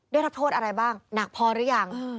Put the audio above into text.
ได้รับโทษอะไรบ้างหนักพอหรือยัง